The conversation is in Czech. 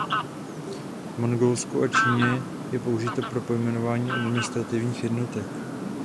V Mongolsku a Číně je použito pro pojmenování administrativních jednotek.